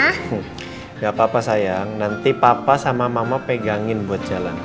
tidak apa apa sayang nanti papa sama mama pegangin buat jalan